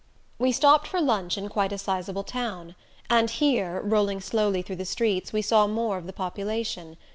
We stopped for lunch in quite a sizable town, and here, rolling slowly through the streets, we saw more of the population.